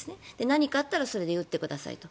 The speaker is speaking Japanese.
何かあったらそれを打ってくださいと。